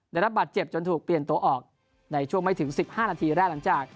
ได้รับบาดเจ็บจนถูกเปลี่ยนตัวออกในช่วงไม่ถึง๑๕นาทีแรกหลังจาก